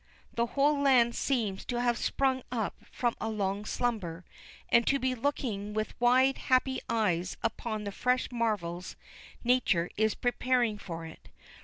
The whole land seems to have sprung up from a long slumber, and to be looking with wide happy eyes upon the fresh marvels Nature is preparing for it.